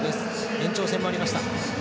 延長戦もありました。